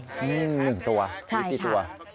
นี่๑ตัวนี่กี่ตัว